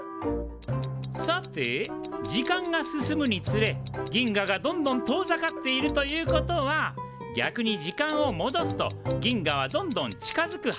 さて時間が進むにつれ銀河がどんどん遠ざかっているということは逆に時間をもどすと銀河はどんどん近づくはずですねえ。